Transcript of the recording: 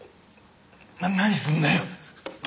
な何すんだよ？